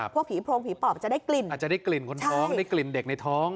พวกผีโพรงผีปอบจะได้กลิ่นอาจจะได้กลิ่นคนท้องได้กลิ่นเด็กในท้อง